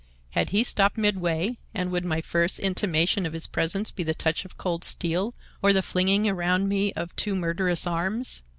Had he stopped midway, and would my first intimation of his presence be the touch of cold steel or the flinging around me of two murderous arms?